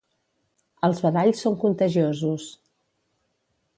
Els badalls són contagiosos